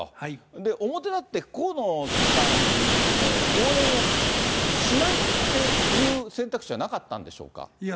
で、表立って河野さんの応援をしないっていう選択肢はなかったんでしいや、